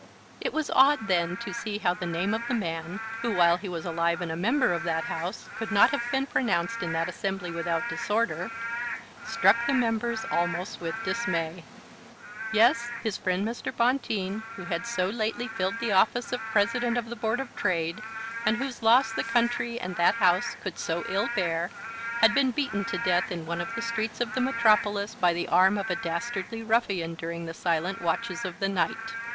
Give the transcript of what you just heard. It was odd then to see how the name of the man, who, while he was alive and a member of that House, could not have been pronounced in that assembly without disorder, struck the members almost with dismay. "Yes, his friend Mr. Bonteen, who had so lately filled the office of President of the Board of Trade, and whose loss the country and that House could so ill bear, had been beaten to death in one of the streets of the metropolis by the arm of a dastardly ruffian during the silent watches of the night."